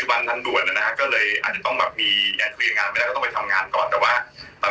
นุ่มนุ่มฟังนะคนอย่างเธอน่ะตายยากกรรมอ่ะกรรมอ่ะคือการกระทำ